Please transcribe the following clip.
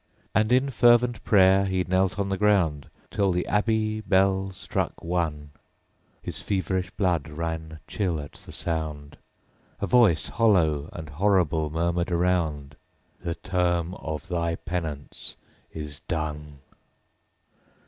8. And in fervent pray'r he knelt on the ground, Till the abbey bell struck One: His feverish blood ran chill at the sound: A voice hollow and horrible murmured around _45 'The term of thy penance is done!'